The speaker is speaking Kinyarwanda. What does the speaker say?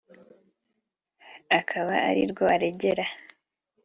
akaba arirwo aregera